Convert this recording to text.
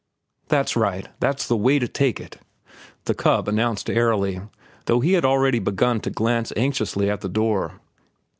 "That's right—that's the way to take it," the cub announced airily, though he had already begun to glance anxiously at the door.